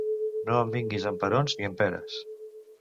No em vinguis amb perons ni amb peres.